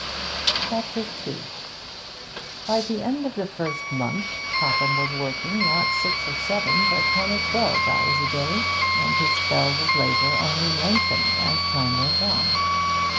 CHAPTER II By the end of the first month Topham was working, not six or seven, but ten or twelve hours a day, and his spells of labour only lengthened as time went on.